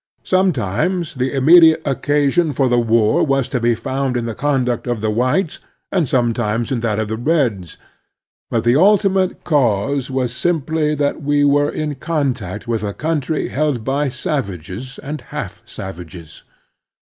Sometimes the immediate occasion for the war was to be foimd in the conduct of the whites and sometimes in that of the reds, but the ultimate cause was simply that we were in contact with a coimtry held by savages or half savages.